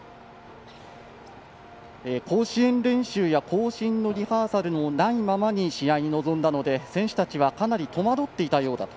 甲子園練習や行進のリハーサルもないままに試合に臨んだので、選手たちはかなり戸惑っていたようだ。